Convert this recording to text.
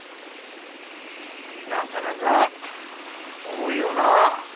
なかなか重いよな。